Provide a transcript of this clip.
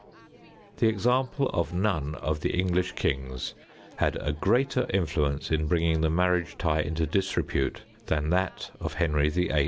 The example of none of the English kings had a greater influence in bringing the marriage tie into disrepute than that of Henry VIII.